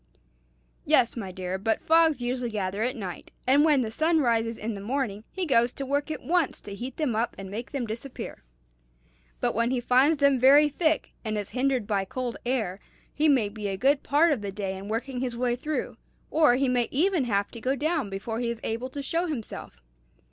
"Yes, my dear; but fogs usually gather at night, and when the sun rises in the morning, he goes to work at once to heat them up and make them disappear. But when he finds them very thick, and is hindered by cold air, he may be a good part of the day in working his way through, or he may even have to go down before he is able to show himself.